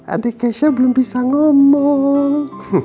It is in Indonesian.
adik kesha belum bisa ngomong